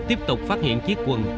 tiếp tục phát hiện chiếc quần